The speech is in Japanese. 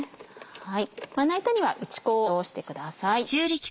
まな板には打ち粉をしてください。